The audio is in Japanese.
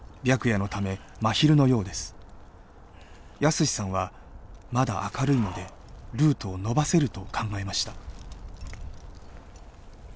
泰史さんはまだ明るいのでルートを延ばせると考えました。